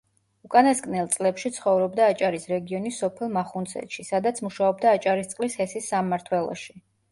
უკანასკნელ წლებში ცხოვრობდა აჭარის რეგიონის სოფელ მახუნცეთში, სადაც მუშაობდა აჭარისწყლის ჰესის სამმართველოში.